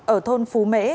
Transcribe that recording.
ở thôn phú mễ